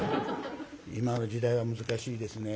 今の時代は難しいですね。